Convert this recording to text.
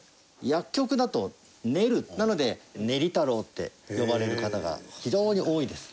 薬局だと「練る」なので「ねりたろう」って呼ばれる方が非常に多いです。